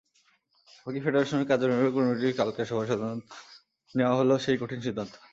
Hockey ফেডারেশনের কার্যনির্বাহী কমিটির কালকের সভায় নেওয়া হলো সেই কঠিন সিদ্ধান্ত।